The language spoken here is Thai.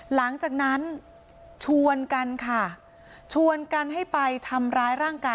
หลังจากนั้นชวนกันค่ะ